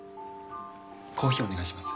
コーヒーお願いします。